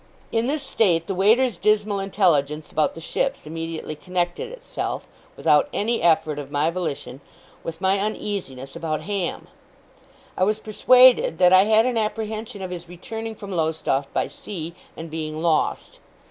In this state, the waiter's dismal intelligence about the ships immediately connected itself, without any effort of my volition, with my uneasiness about Ham. I was persuaded that I had an apprehension of his returning from Lowestoft by sea, and being lost.